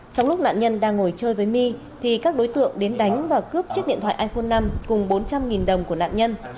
trong lúc nạn nhân đang ngồi chơi với my thì các đối tượng đến đánh và cướp chiếc điện thoại iphone năm cùng bốn trăm linh đồng của nạn nhân